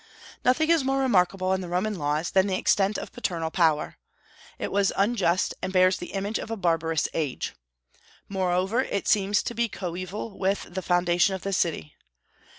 Nothing is more remarkable in the Roman laws than the extent of paternal power. It was unjust, and bears the image of a barbarous age. Moreover, it seems to have been coeval with the foundation of the city.